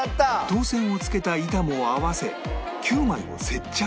銅線を付けた板も合わせ９枚を接着